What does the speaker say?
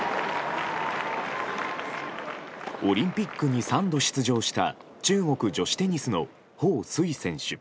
オリンピックに３度出場した中国女子テニスのホウ・スイ選手。